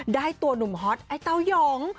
ได้ตัวหนุ่มฮอตไอ้เต้ายอง